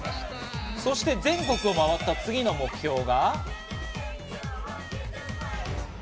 そして全国を回った次の目標が。